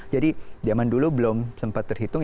jadi zaman dulu belum sempat terhitung